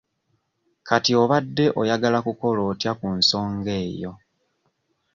Kati obadde oyagala kukola otya ku nsonga eyo?